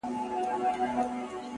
د هغه ږغ زما د ساه خاوند دی.